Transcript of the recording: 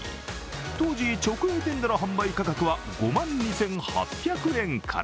当時、直営店での販売価格は５万２８００円から。